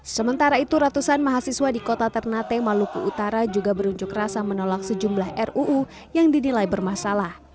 sementara itu ratusan mahasiswa di kota ternate maluku utara juga berunjuk rasa menolak sejumlah ruu yang dinilai bermasalah